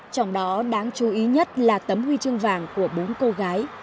trong đó đáng chú ý nhất là tấm huy chương vàng của bốn cô gái